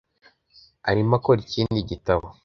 arimo akora ikindi gitabo.